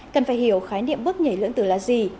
cần phải hiểu khái niệm bước nhảy lưỡng tử là gì